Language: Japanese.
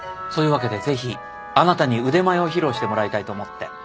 そういうわけでぜひあなたに腕前を披露してもらいたいと思って。